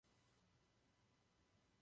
V té době zde žili němečtí kolonisté.